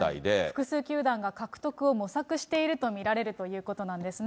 複数球団が獲得を模索していると見られるということなんですね。